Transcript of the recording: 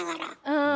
うん。